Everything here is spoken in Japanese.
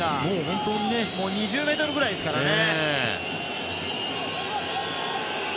本当に２０ｍぐらいですからね。